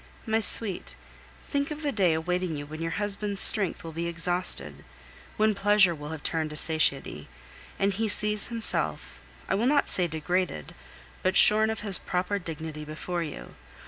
My sweet, think of the day awaiting you when your husband's strength will be exhausted, when pleasure will have turned to satiety, and he sees himself, I will not say degraded, but shorn of his proper dignity before you.